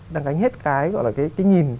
đang gánh hết cái gọi là cái nhìn